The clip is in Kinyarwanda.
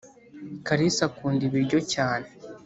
karisa akunda ibiryo cyane